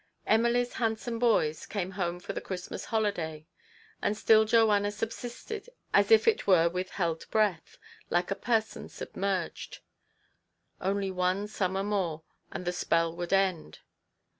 Emily's hand some boys came home for the Christmas holi days ; and still Joanna subsisted as it were with held breath, like a person submerged. Only one summer more, and the spell would end.